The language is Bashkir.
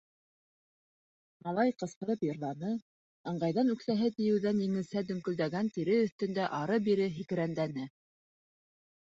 Малай ҡысҡырып йырланы, ыңғайҙан үксәһе тейеүҙән еңелсә дөңкөлдәгән тире өҫтөндә ары-бире һикерәндәне.